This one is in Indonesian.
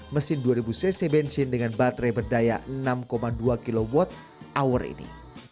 mesin dua ribu cc bensin dengan baterai berdaya enam dua kwh ini